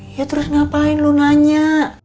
dia terus ngapain lu nanya